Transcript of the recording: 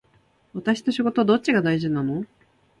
私と仕事どっちが大事なの